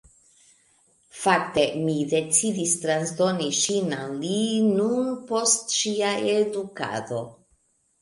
Fakte mi decidis transdoni ŝin al li nun post ŝia edukado.